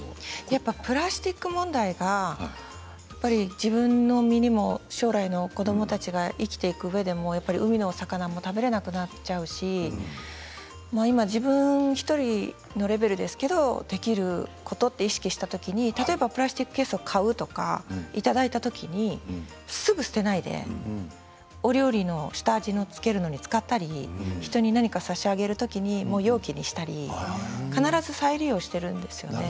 やっぱりプラスチック問題が自分の身にも将来の子どもたちが生きていくうえでも海の魚も食べられなくなっちゃうし今、自分１人のレベルですけれどできることを意識した時に例えばプラスチックケースを買うとか、いただいた時にすぐ捨てないでお料理の下味を付けるのに使ったり人に何か差し上げる時に容器にしたり必ず再利用しているんですよね。